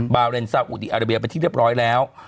บาเลนส์อุติอาราเบียบไปที่เรียบร้อยแล้ว